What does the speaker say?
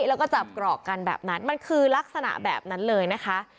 แล้วก็จับกรอกกันแบบนั้นมันคือลักษณะแบบนั้นเลยนะคะ